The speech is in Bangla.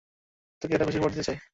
তোকে একটা খুশির খবর দিতে চাই।